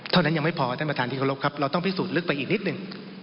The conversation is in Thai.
เท่านั้นยังไม่พอท่านประธานที่เคารพครับเราต้องพิสูจนลึกไปอีกนิดหนึ่ง